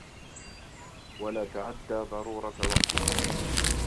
وَلَا تَعَدَّى ضَرُورَةَ وَقْتِهِ